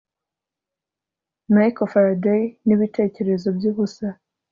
michael faraday nibitekerezo byubusa